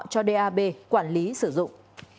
cho dap quản lý sử dụng